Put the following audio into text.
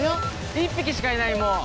１匹しかいないもう。